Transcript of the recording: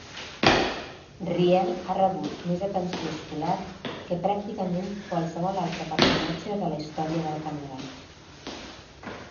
Riel ha rebut més atenció escolar que pràcticament qualsevol altre personatge de la història del Canadà.